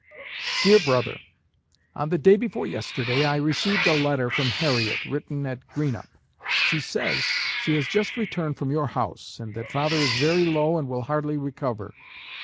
DEAR BROTHER: On the day before yesterday I received a letter from Harriet, written at Greenup. She says she has just returned from your house, and that father is very low and will hardly recover.